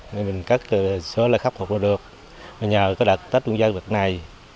nên mình cất số lời khắc phục không được nhờ cái đặt tết nguyên giai đoạn này